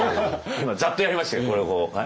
今ざっとやりましたけどこれをこう。